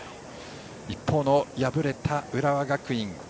一方の敗れた浦和学院。